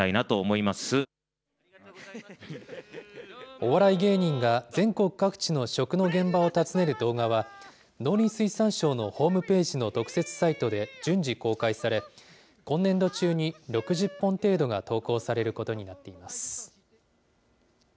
お笑い芸人が全国各地の食の現場を訪ねる動画は、農林水産省のホームページの特設サイトで順次公開され、今年度中に６０本程度が投稿されることになっています。